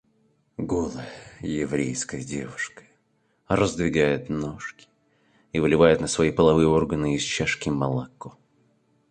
Голая еврейская девушка раздвигает ножки и выливает на свои половые органы из чашки молоко.